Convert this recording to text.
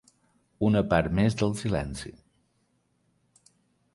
Una part més del silenci.